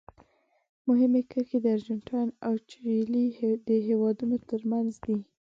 مهمې کرښې د ارجنټاین او چیلي د هېوادونو ترمنځ دي.